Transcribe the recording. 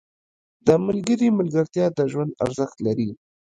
• د ملګري ملګرتیا د ژوند ارزښت لري.